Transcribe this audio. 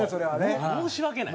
申し訳ない。